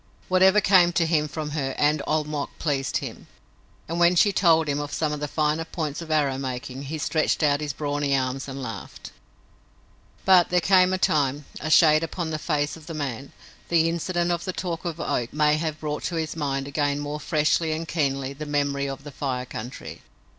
Whatever came to him from her and Old Mok pleased him, and when she told him of some of the finer points of arrow making he stretched out his brawny arms and laughed. But there came, in time, a shade upon the face of the man. The incident of the talk of Oak may have brought to his mind again more freshly and keenly the memory of the Fire Country.